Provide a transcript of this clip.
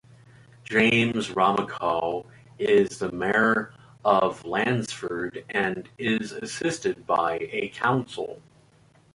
James Romankow is the Mayor of Lansford and is assisted by a council.